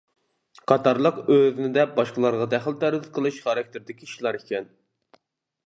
قاتارلىق ئۆزىنى دەپ باشقىلارغا دەخلى-تەرۇز قىلىش خاراكتېرىدىكى ئىشلار ئىكەن.